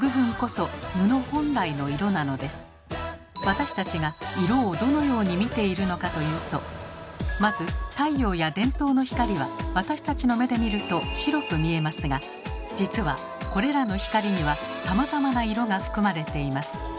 私たちが色をどのように見ているのかというとまず太陽や電灯の光は私たちの目で見ると白く見えますが実はこれらの光にはさまざまな色が含まれています。